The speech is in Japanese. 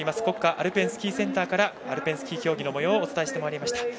国家アルペンスキーセンターからアルペンスキー競技のもようお伝えしてまいりました。